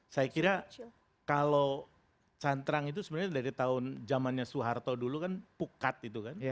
saya kira kalau cantrang itu sebenarnya dari tahun jamannya soeharto dulu kan pukat itu kan